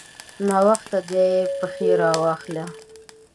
ناوخته دی؛ پښې راواخله.